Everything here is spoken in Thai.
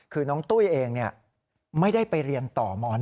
คือน้องตุ้ยเองไม่ได้ไปเรียนต่อม๑